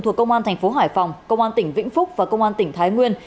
thuộc công an tp hải phòng công an tỉnh vĩnh phúc và công an tỉnh thái nguyên